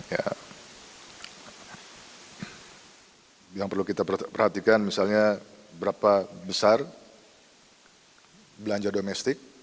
ya yang perlu kita perhatikan misalnya berapa besar belanja domestik